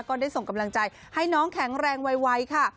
ก็ได้ส่งกำลังใจให้น้องแข็งแรงไวค่ะ